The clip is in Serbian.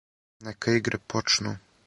Нека игре почну